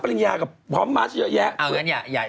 ถ้าคุณแม่เป็นปันคุณแม่จะไปไหม